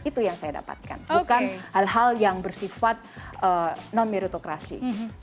itu yang saya dapatkan bukan hal hal yang bersifat non meritokrasi